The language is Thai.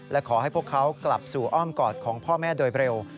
และขอให้พวกเขากลับสู่อ้อมกอดของพ่อแม่โดยเร็ว